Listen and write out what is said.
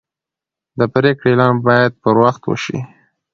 د پریکړې اعلان باید پر وخت وشي.